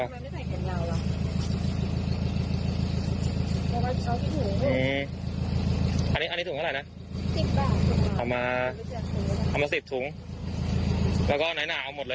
อันนี้ถุงเท่าไรนะ๑๐บาทเอามา๑๐ถุงแล้วก็ไหนหน่าเอาหมดเลย